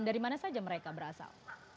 dimana saja mereka berasal